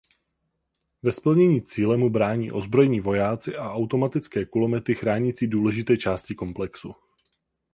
V splnění cíle mu brání ozbrojení vojáci a automatické kulomety chránící důležité části komplexu.